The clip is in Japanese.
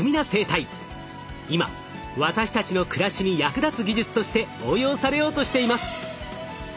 今私たちの暮らしに役立つ技術として応用されようとしています。